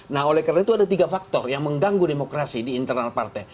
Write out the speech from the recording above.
nah oleh karena itu ada tiga faktor yang mengganggu demokrasi di internal partai